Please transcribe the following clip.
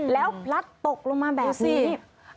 แล้วลัดตกลงมาแบบนี้นี่ดูซิ